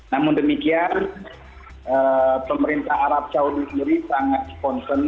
namun demikian pemerintah arab saudi sendiri sangat concern